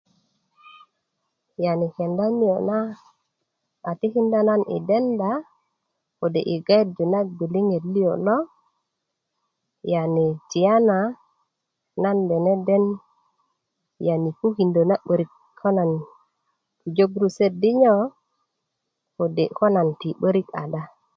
yani kenda niyo' na a tikinda na yi denda kode' yi gayerju na gbiliŋet liyo' lo yani tiyana nan deneden yani pukindö na 'börik ko nan pujö gurusutöt dinyo kode' ko nan ti 'börik ada